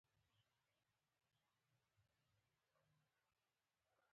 هغه وویل تر لویینو تیریږو او بیا مخکې ځو.